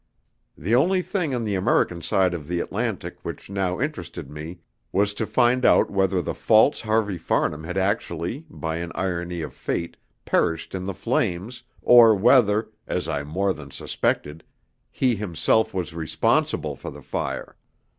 The only thing on the American side of the Atlantic which now interested me was to find out whether the false Harvey Farnham had actually (by an irony of fate) perished in the flames, or whether as I more than suspected he himself was responsible for the fire.